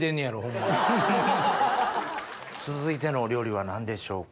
続いてのお料理は何でしょうか？